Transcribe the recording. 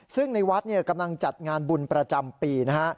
ซึ่งในวัดกำลังจัดงานบุญประจำปีนะฮะ